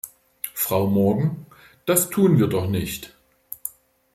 Frau Morgan, das tun wir doch nicht!